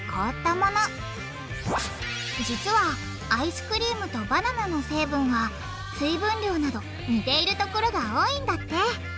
実はアイスクリームとバナナの成分は水分量など似ているところが多いんだって。